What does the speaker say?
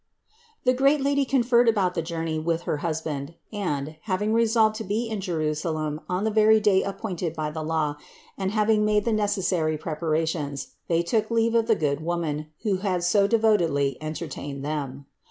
The great Lady conferred about the journey with her husband, and, having resolved to be in Jerusalem on the very day appointed by the law and having made the necessary preparations, they took leave of the good woman, who had so devotedly entertained them.